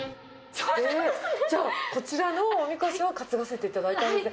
じゃあ、こちらのおみこしを担がせていただいたんですね。